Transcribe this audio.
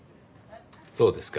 そうですか。